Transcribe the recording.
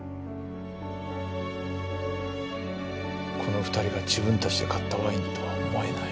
この２人が自分たちで買ったワインとは思えない。